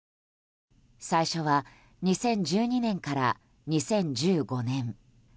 最初は２０１２年から２０１５年。